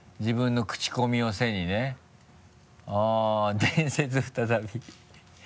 「伝説、再び」